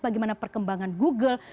bagaimana perkembangan google